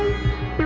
mau gak kau